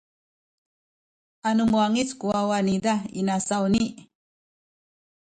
na muwangic ku wawa niza inasawni.